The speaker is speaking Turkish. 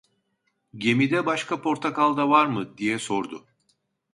"Gemide başka portakal da var mı?" diye sordu.